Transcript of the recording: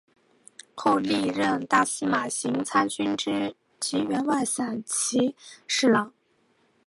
后历任大司马行参军及员外散骑侍郎。